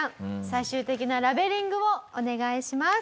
最終的なラベリングをお願いします。